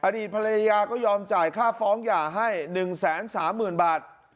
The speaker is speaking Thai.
อดีตภรรยาก็ยอมจ่ายค่าฟ้องหย่าให้๑๓๐๐๐บาท